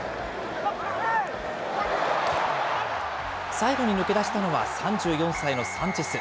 最後に抜け出したのは３４歳のサンチェス。